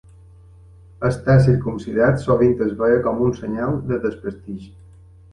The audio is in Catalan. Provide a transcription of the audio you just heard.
Estar circumcidat sovint es veia com un senyal de desprestigi.